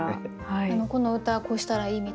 この歌こうしたらいいみたいなアドバイスは？